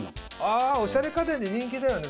あぁおしゃれ家電で人気だよね。